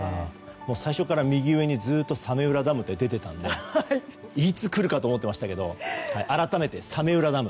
最初から右上にずっと早明浦ダムって出てたのでいつくるかと思っていましたけど改めて早明浦ダム。